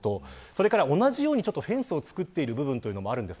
それから、同じようにフェンスを作っている部分もあるんです。